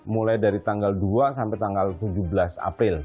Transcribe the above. mulai dari tanggal dua sampai tanggal tujuh belas april